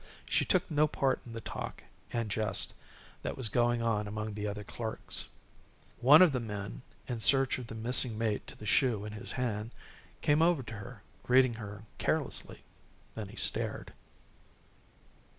She took no part in the talk and jest that was going on among the other clerks. One of the men, in search of the missing mate to the shoe in his hand, came over to her, greeting her carelessly. Then he stared.